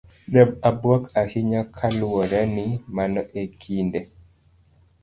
Ne abuok ahinya kaluore ni mano e kinde